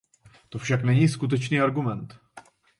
To však není skutečný argument.